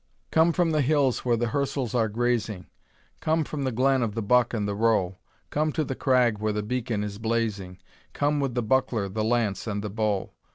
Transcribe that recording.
II. Come from the hills where the hirsels are grazing, Come from the glen of the buck and the roe; Come to the crag where the beacon is blazing, Come with the buckler, the lance, and the bow.